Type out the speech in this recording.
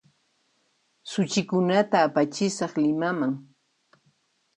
Suchikunata apachisaq Limaman